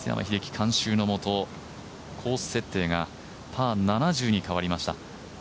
監修のもとコース設定がパー７０に変わりました。